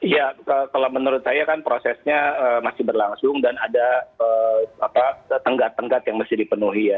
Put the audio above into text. ya kalau menurut saya kan prosesnya masih berlangsung dan ada tenggat tenggat yang mesti dipenuhi ya